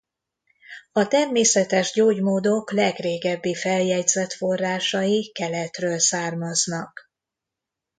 A természetes gyógymódok legrégebbi feljegyzett forrásai keletről származnak.